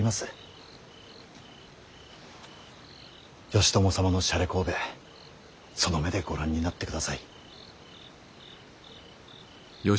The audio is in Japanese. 義朝様のしゃれこうべその目でご覧になってください。